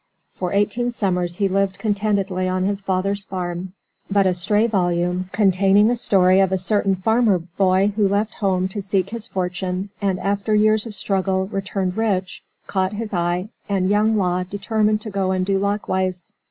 For eighteen summers he lived contentedly on his father's farm, but a stray volume, containing a story of a certain farmer boy who left home to seek his fortune, and after years of struggle returned rich, caught his eye, and young Law determined to go and do likewise.